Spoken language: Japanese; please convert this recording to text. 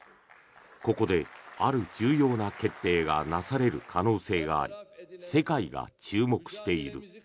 ここである重要な決定がなされる可能性があり世界が注目している。